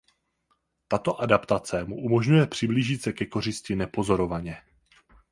Tato adaptace mu umožňuje přiblížit se ke kořisti nepozorovaně.